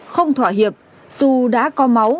không thỏa hiệp dù đã có máu